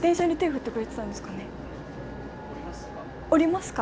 降りますか？